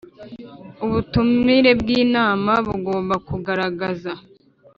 Ubutumire bw inama bugomba kugaragaza